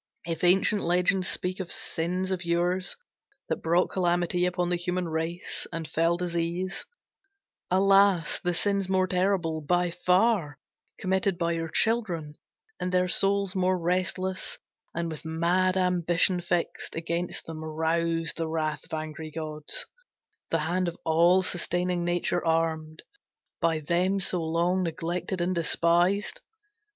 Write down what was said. If ancient legends speak Of sins of yours, that brought calamity Upon the human race, and fell disease, Alas, the sins more terrible, by far, Committed by your children, and their souls More restless, and with mad ambition fixed, Against them roused the wrath of angry gods, The hand of all sustaining Nature armed, By them so long neglected and despised.